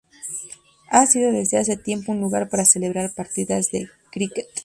Ha sido desde hace tiempo un lugar para celebrar partidas de cricket.